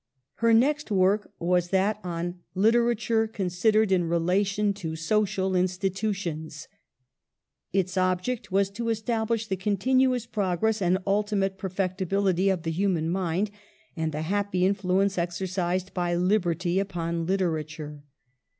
Her next work was that on Literature Consid ered in Relation to Social Institutions. Its object was to establish the continuous progress and ultimate perfectibility of the human mind, and the happy influence exercised by liberty upon literature.